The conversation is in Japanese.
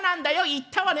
「言ったわね！」。